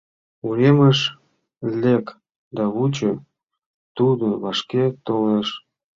Уремыш лек да вучо: тудо вашке толеш.